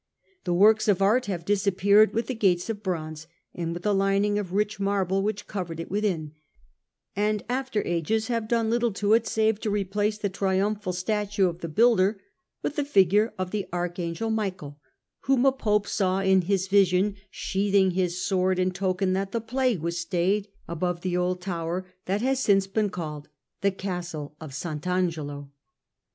The works of art have disappeared with the gates of bronze and with the lining of rich marble which covered it within, and after ages have done little to it save to replace the triumphal statue of the builder with the figure of the Archangel Michael, whom a Pope saw in his vision sheathing his sword in token that the plague was stayed above the old tower that has since been called the Castle of St. Angelo.